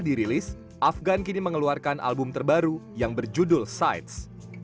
dirilis afgan kini mengeluarkan album terbaru yang berjudul sites